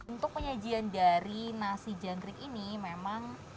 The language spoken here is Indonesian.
untuk penyajian dari nasi jangkrik ini memang